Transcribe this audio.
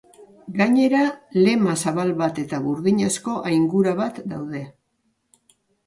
Gainera, lema zabal bat eta burdinazko aingura bat daude.